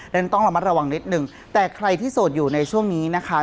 ดังนั้นต้องระมัดระวังนิดนึงแต่ใครที่โสดอยู่ในช่วงนี้นะคะ